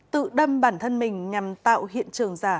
tự đâm bản thân mình nhằm tạo hiện trường giả